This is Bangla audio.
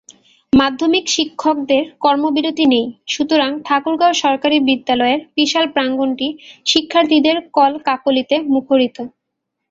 মাধ্যমিক শিক্ষকদের কর্মবিরতি নেই, সুতরাং ঠাকুরগাঁও সরকারি বিদ্যালয়ের বিশাল প্রাঙ্গণটি শিক্ষার্থীদের কলকাকলিতে মুখরিত।